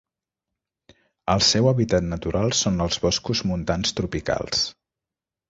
El seu hàbitat natural són els boscos montans tropicals.